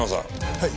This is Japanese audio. はい。